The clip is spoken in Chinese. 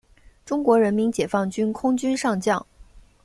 中国人民解放军空军上将。